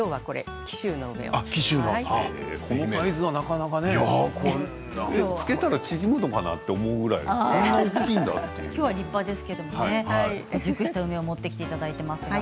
このサイズはなかなかね漬けたら縮むのかなと思うぐらいきょうは立派ですけれども熟した梅を持ってきていただいています。